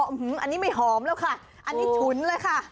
อันนี้ไม่หอมแล้วค่ะอันนี้ฉุนเลยค่ะ